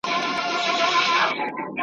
له رقیبانو به یې پټه تر نګاره څارې !.